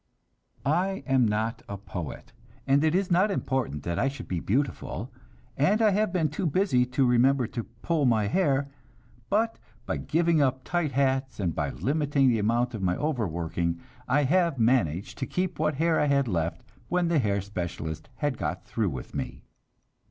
I am not a poet, and it is not important that I should be beautiful, and I have been too busy to remember to pull my hair; but by giving up tight hats, and by limiting the amount of my overworking, I have managed to keep what hair I had left when the hair specialist had got through with me.